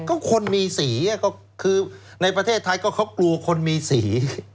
ก็คนมีสีก็คือในประเทศไทยก็เขากลัวคนมีสี